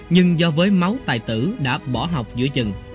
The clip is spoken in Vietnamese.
nhưng do với máu tài tử đã bỏ học giữa chừng